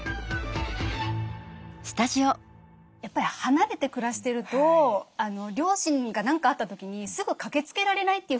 やっぱり離れて暮らしてると両親が何かあった時にすぐ駆けつけられないという不安があるじゃないですか。